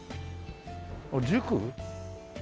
あっ塾？